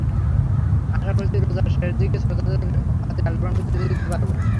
আশা করছি, রোজার শেষ দিকে শ্রোতাদের হাতে অ্যালবামটি তুলে দিতে পারব।